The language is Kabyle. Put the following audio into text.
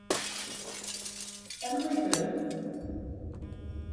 Anwi-ten?